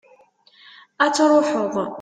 ad truḥeḍ